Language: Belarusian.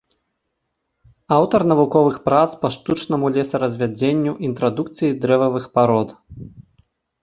Аўтар навуковых прац па штучнаму лесаразвядзенню, інтрадукцыі дрэвавых парод.